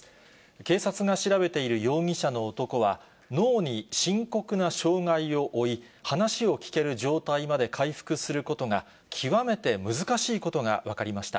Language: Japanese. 警察が調べている容疑者の男は、脳に深刻な障害を負い、話を聴ける状態まで回復することが極めて難しいことが分かりました。